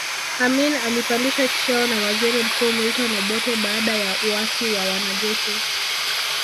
Amin alipandishwa cheo na waziri mkuu Milton Obote baada ya uasi wa wanajeshi